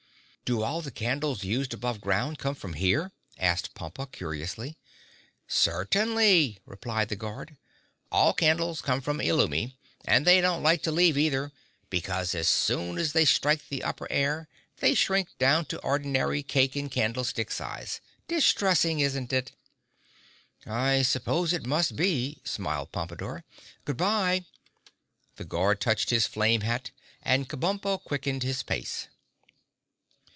"Do all the candles used above ground come from here?" asked Pompa curiously. "Certainly," replied the guard. "All candles come from Illumi—and they don't like to leave either because as soon as they strike the upper air they shrink down to ordinary cake and candlestick size. Distressing, isn't it?" "I suppose it must be," smiled Pompadore. "Good bye!" The guard touched his flame hat and Kabumpo quickened his pace.